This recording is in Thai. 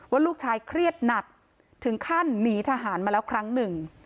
ว่าลูกชายเครียดหนักถึงขั้นหนีทหารมาแล้วครั้งหนึ่ง